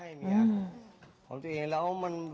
แต่ทำไมพวกเขาต้องจะทำใหนครับผม